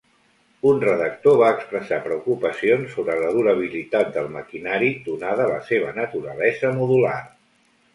Un redactor va expressar preocupacions sobre la durabilitat del maquinari donada la seva naturalesa modular.